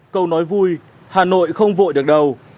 câu nói vui hà nội không vội được đâu